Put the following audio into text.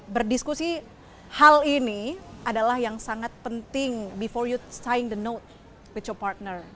berdiskusi hal ini adalah yang sangat penting before you sign the note with your partner